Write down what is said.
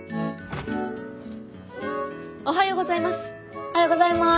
おはようございます。